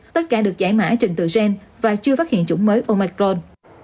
tất cả được giải mãi trình tự gen và chưa phát hiện chủng mới omicron